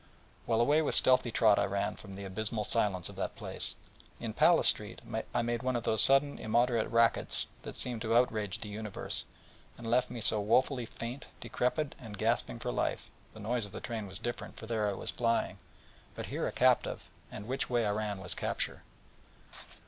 Well, away with stealthy trot I ran from the abysmal silence of that place, and in Palace Street near made one of those sudden immoderate rackets that seemed to outrage the universe, and left me so woefully faint, decrepit, and gasping for life (the noise of the train was different, for there I was flying, but here a captive, and which way I ran was capture).